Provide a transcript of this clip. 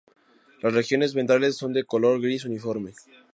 Las regiones ventrales son de color gris uniforme.